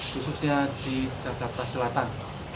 khususnya di jakarta selatan